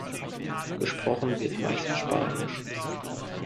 Gesprochen wird meist Spanisch.